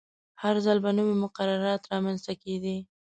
هر ځل به نوې مقررې رامنځته کیدې.